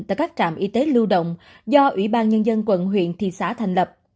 tại các trạm y tế lưu động do ủy ban nhân dân quận huyện thị xã thành lập